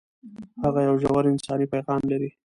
هغه یو ژور انساني پیغام لري.